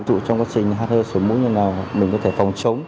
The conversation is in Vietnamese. trụ trong quá trình hát hơ xuống mũi như thế nào mình có thể phòng chống